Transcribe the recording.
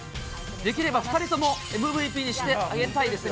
できれば２人ともＭＶＰにしてああげたいです。